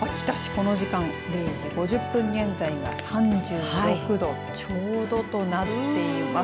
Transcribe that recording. この時間０時５０分現在が３６度ちょうどとなっています。